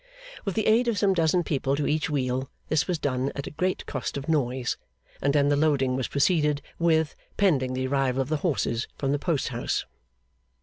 With the aid of some dozen people to each wheel, this was done at a great cost of noise; and then the loading was proceeded with, pending the arrival of the horses from the post house.